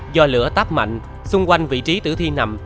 do lửa táp mạnh xung quanh vị trí tử thi nằm